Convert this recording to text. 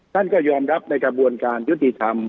ท่านก็ยอมรับในกระบวนการยุติธรรม